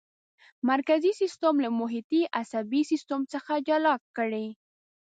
مرکزي سیستم له محیطي عصبي سیستم څخه جلا کړئ.